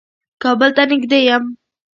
کابل ته نېږدې يم.